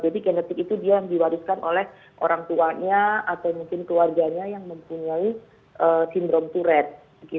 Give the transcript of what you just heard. genetik itu dia yang diwariskan oleh orang tuanya atau mungkin keluarganya yang mempunyai sindrom turet